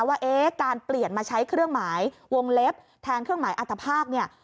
ว่าเอ๊ะการเปลี่ยนมาใช้เครื่องหมายวงเล็บแทนเครื่องหมายอัตภาคเนี่ย